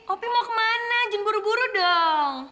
opi mau kemana jangan buru buru dong